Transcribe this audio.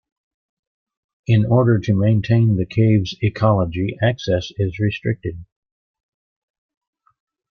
In order to maintain the cave's ecology, access is restricted.